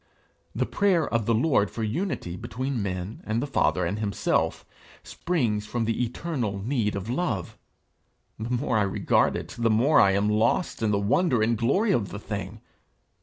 The prayer of the Lord for unity between men and the Father and himself, springs from the eternal need of love. The more I regard it, the more I am lost in the wonder and glory of the thing.